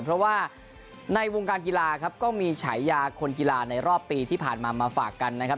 เพราะว่าในวงการกีฬาครับก็มีฉายาคนกีฬาในรอบปีที่ผ่านมามาฝากกันนะครับ